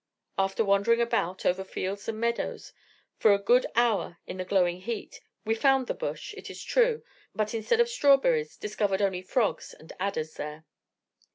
After wandering about, over fields and meadows, for a good hour in the glowing heat, we found the Bush, it is true, but instead of strawberries, discovered only frogs and adders there.